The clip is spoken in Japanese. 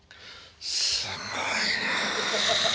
すごいなあ。